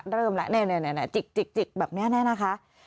เริ่มละจิกแบบนี้แน่นะคะ